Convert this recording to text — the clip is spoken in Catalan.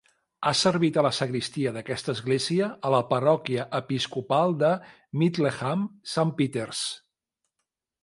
Ha servit a la sagristia d'aquesta església, a la parròquia episcopal de Middleham-St.Peters.